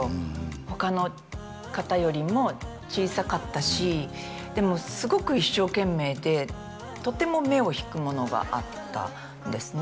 他の方よりも小さかったしでもすごく一生懸命でとても目を引くものがあったんですね